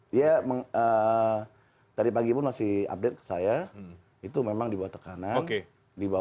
dia tadi pagi pun masih update ke saya itu memang dibuat tekanan dibawa